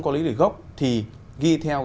có lý lịch gốc thì ghi theo